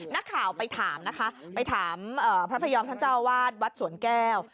นักข่าวไปถามนะคะไปถามพระพยอมท่านเจ้าวาดวัดสวนแก้ว